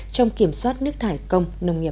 trong kiểm soát nước thải công nông nghiệp